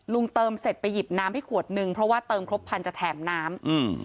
เติมเสร็จไปหยิบน้ำให้ขวดนึงเพราะว่าเติมครบพันธุ์จะแถมน้ำ